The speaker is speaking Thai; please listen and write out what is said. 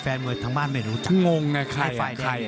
แฟนมัวยทางบ้านไม่รู้จัก